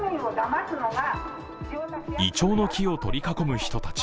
いちょうの木を取り囲む人たち。